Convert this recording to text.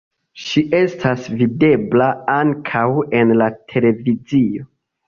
Ŝi estas videbla ankaŭ en la televizio.